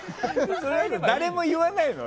誰も言わないの？